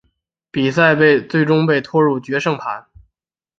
比赛最终被拖入决胜盘。